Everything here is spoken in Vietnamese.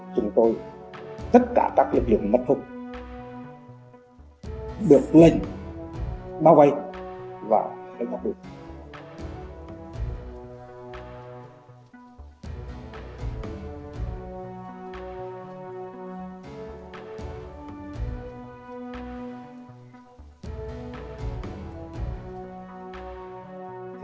thì tất cả các lực lượng mất hụt được lệnh bao quay vào ngọn đường